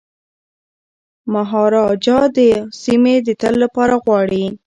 مهاراجا دا سیمي د تل لپاره غواړي.